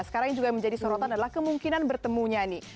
sekarang yang juga menjadi sorotan adalah kemungkinan bertemunya nih